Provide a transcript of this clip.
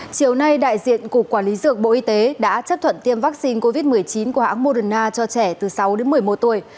chiều nay đại diện cục quản lý dược bộ y tế đã chấp thuận tiêm vaccine covid một mươi chín của hãng moderna cho trẻ từ sáu đến một mươi một tuổi